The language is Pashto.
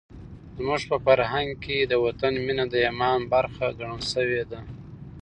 زموږ په فرهنګ کې د وطن مینه د ایمان برخه ګڼل شوې ده.